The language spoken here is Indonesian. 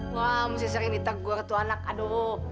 wah musti sering ditegur itu anak aduh